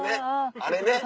あれね。